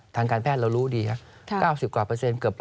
ทางการแพทย์เรารู้ดีครับ